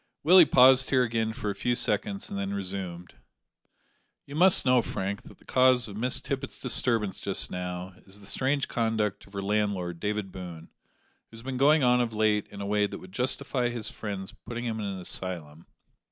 Willie paused here again for a few seconds and then resumed: "You must know, Frank, that the cause of Miss Tippet's disturbance just now is the strange conduct of her landlord, David Boone, who has been going on of late in a way that would justify his friends putting him in an asylum.